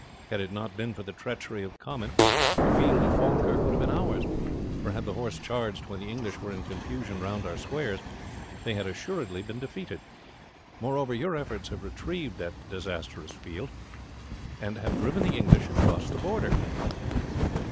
Had it not been for the treachery of Comyn the field of Falkirk would have been ours, for had the horse charged when the English were in confusion round our squares they had assuredly been defeated. Moreover, your efforts have retrieved that disastrous field, and have driven the English across the Border."